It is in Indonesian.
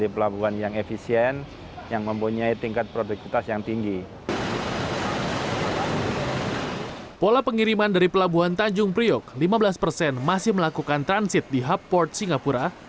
lima belas persen masih melakukan transit di hub port singapura